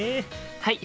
はい！